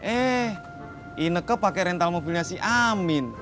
eh ineknya pakai rental mobilnya si amin